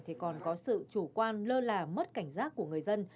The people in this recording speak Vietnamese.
thì còn có sự chủ quan lơ là mất cảnh giác của người dân